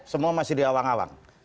semua masih diawang awang